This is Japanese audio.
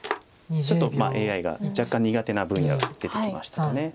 ちょっとＡＩが若干苦手な分野が出てきましたか。